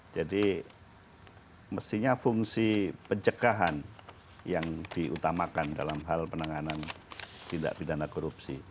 jadi mestinya fungsi pencegahan yang diutamakan dalam hal penanganan tindak pidana korupsi